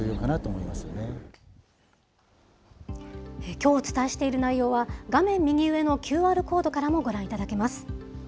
きょうお伝えしている内容は、画面右上のＱＲコードからもご覧いただけます。